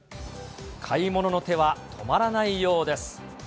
買い物の手は止まらないようです。